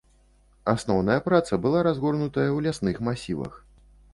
Асноўная праца была разгорнутая ў лясных масівах.